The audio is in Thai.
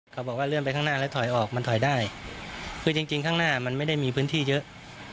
เขาบอกว่าเลื่อนไปข้างหน้าแล้วถอยออกมันถอยได้คือจริงจริงข้างหน้ามันไม่ได้มีพื้นที่เยอะ